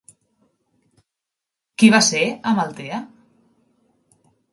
Qui va ser Amaltea?